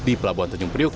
di pelabuhan tanjung priok